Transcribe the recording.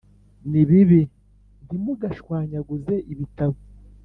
Nibibi Ntimugashwanyaguze ibitabo